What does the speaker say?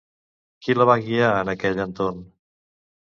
Qui la va guiar, en aquell entorn?